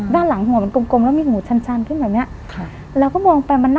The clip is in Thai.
ด้านหลังหัวมันกลมแล้วมีหูชันขึ้นกับนี้